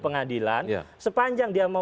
pengadilan sepanjang dia mau